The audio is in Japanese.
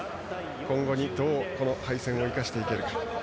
今後にどう、この敗戦を生かしていけるか。